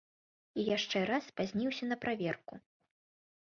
І яшчэ раз спазніўся на праверку.